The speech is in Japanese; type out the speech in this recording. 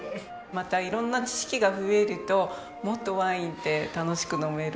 また色んな知識が増えるともっとワインって楽しく飲めるので。